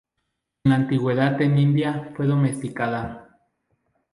En la antigüedad en India, fue domesticada.